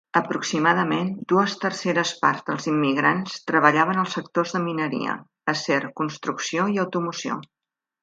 Aproximadament dues terceres parts dels immigrants treballaven als sectors de mineria, acer, construcció i automoció.